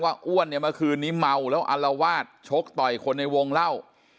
อ้วนเนี่ยเมื่อคืนนี้เมาแล้วอัลวาดชกต่อยคนในวงเล่า